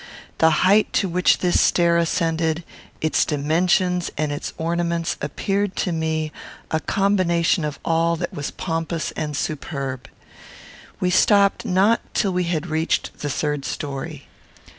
The height to which this stair ascended, its dimensions, and its ornaments, appeared to me a combination of all that was pompous and superb. We stopped not till we had reached the third story.